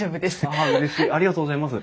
ありがとうございます。